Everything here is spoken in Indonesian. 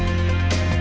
mereka memiliki bidang